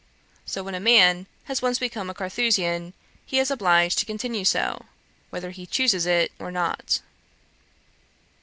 So when a man has once become a Carthusian, he is obliged to continue so, whether he chooses it or not.